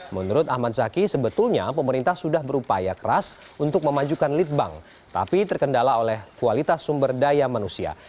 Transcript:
menurut ahmad zaki sebetulnya pemerintah sudah berupaya keras untuk memajukan lead bank tapi terkendala oleh kualitas sumber daya manusia